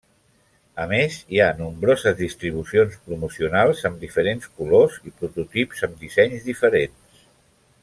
A més hi ha nombroses distribucions promocionals amb diferents colors i prototips amb dissenys diferents.